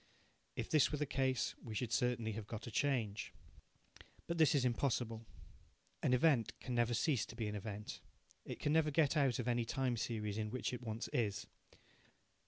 If this were the case, we should certainly have got a change. But this is impossible. An event can never cease to be an event. It can never get out of any time series in which it once is.